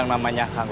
kita akan kalah